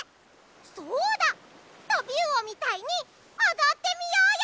そうだトビウオみたいにおどってみようよ！